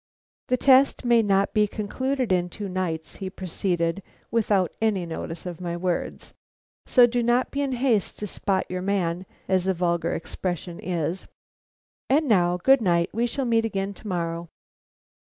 "The test may not be concluded in two nights," he proceeded, without any notice of my words. "So do not be in haste to spot your man, as the vulgar expression is. And now good night we shall meet again to morrow."